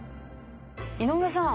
井上さん。